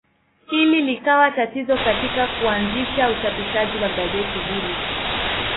Hili likawa tatizo katika kuanzisha uchapishaji wa gazeti hili.